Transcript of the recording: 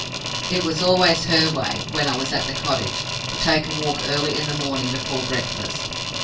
"It was always her way, when I was at the cottage, to take a walk early in the morning before breakfast.